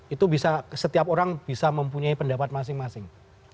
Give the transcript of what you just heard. itu bisa setiap orang bisa mempunyai pendapat masing masing